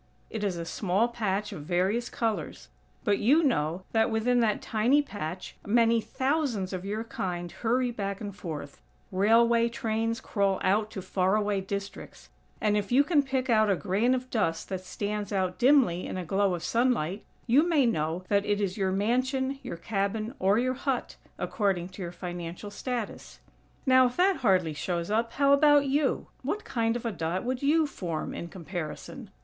It is a small patch of various colors; but you know that, within that tiny patch, many thousands of your kind hurry back and forth; railway trains crawl out to far away districts; and, if you can pick out a grain of dust that stands out dimly in a glow of sunlight, you may know that it is your mansion, your cabin or your hut, according to your financial status. Now, if that hardly shows up, how about you? What kind of a dot would you form in comparison?